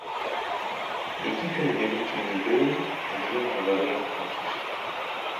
Які б ён вялікі ні быў, а з ім гавары як хочаш.